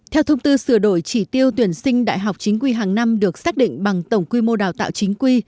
theo thông tư sửa đổi chỉ tiêu tuyển sinh đại học chính quy hàng năm được xác định bằng tổng quy mô đào tạo chính quy